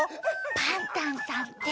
パンタンさんって。